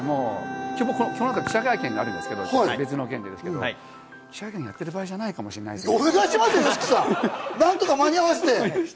この後、記者会見があるんですけど、記者会見やってる場合じゃないかもしれないですね。